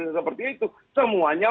asumsi seperti itu semuanya